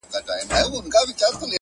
هغه و تورو غرونو ته رويا وايي-